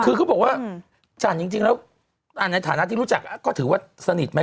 คือเขาบอกว่าจันจริงแล้วในฐานะที่รู้จักก็ถือว่าสนิทไหม